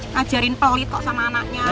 ngajarin pelit kok sama anaknya